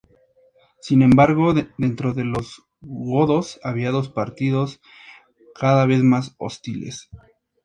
Sin embargo, dentro de los godos había dos partidos, cada vez más hostiles.